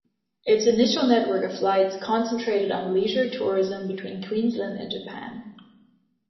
Its initial network of flights concentrated on leisure tourism between Queensland and Japan.